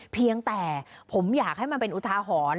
เพียงแต่ผมอยากให้มันเป็นอุทาหรณ์